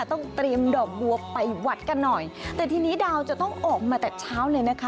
ต้องเตรียมดอกบัวไปวัดกันหน่อยแต่ทีนี้ดาวจะต้องออกมาแต่เช้าเลยนะคะ